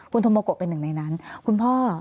คุณธโมโกะเป็นหนึ่งในนั้นคุณพ่อ